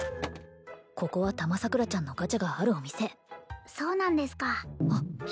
ここはたまさくらちゃんのガチャがあるお店そうなんですかあっ！